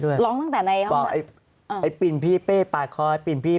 ร้องตั้งแต่ในห้องไอ้ไอ้ปิ่นพี่เป้ปาดคอไอ้ปิ่นพี่